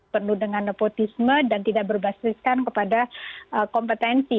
penuh dengan nepotisme dan tidak berbasiskan kepada kompetensi